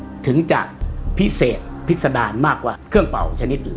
มันถึงจะพิเศษพิษดารมากกว่าเครื่องเป่าชนิดอื่น